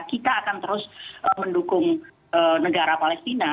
kita akan terus mendukung negara palestina